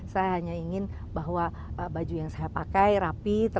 saya hanya ingin bahwa baju yang saya pakai rapi